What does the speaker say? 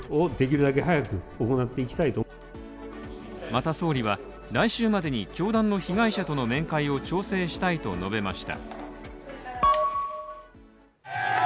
また総理は、来週までに教団との被害者の面会を調整したいと述べました。